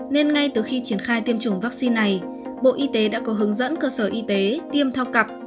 nên ngay từ khi triển khai tiêm chủng vaccine này bộ y tế đã có hướng dẫn cơ sở y tế tiêm theo cặp